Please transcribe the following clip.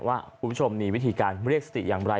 คุณผู้ชมมีวิธีการเรียกสติอย่างไร